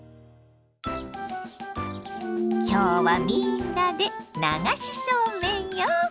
今日はみんなで流しそうめんよ！